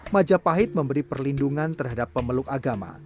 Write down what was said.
majapahit memberi perlindungan terhadap pemeluk agama